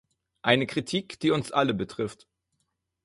Eine Kritik, die uns alle betrifft.